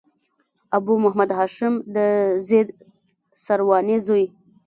ابو محمد هاشم د زيد سرواني زوی.